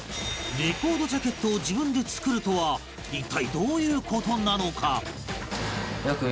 レコードジャケットを自分で作るとは一体どういう事なのか？